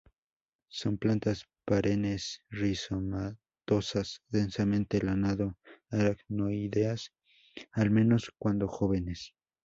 Son plantas perennes, rizomatosas, densamente lanado-aracnoideas, al menos cuando jóvenes.